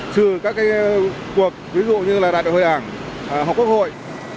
trừ các cái cuộc ví dụ như là đạt đội hội ảng hoặc quốc hội